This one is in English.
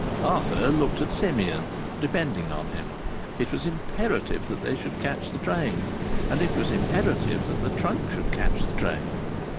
Arthur looked at Simeon, depending on him. It was imperative that they should catch the train, and it was imperative that the trunk should catch the train.